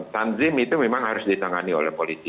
tanzim itu memang harus ditangani oleh polisi